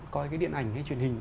coi cái điện ảnh hay truyền hình